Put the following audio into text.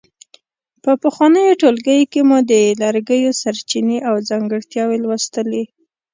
په پخوانیو ټولګیو کې مو د لرګیو سرچینې او ځانګړتیاوې لوستلې.